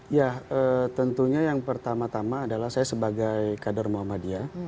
ya tentunya yang pertama tama adalah saya sebagai kader muhammadiyah